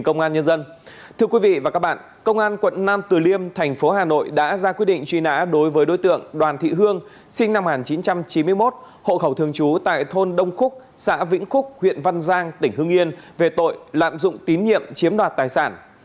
công an quận nam từ liêm thành phố hà nội đã ra quyết định truy nã đối với đối tượng đoàn thị hương sinh năm một nghìn chín trăm chín mươi một hộ khẩu thường trú tại thôn đông khúc xã vĩnh khúc huyện văn giang tỉnh hương yên về tội lạm dụng tín nhiệm chiếm đoạt tài sản